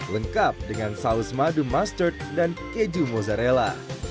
lengkap dengan saus madu mustard dan keju mozzarella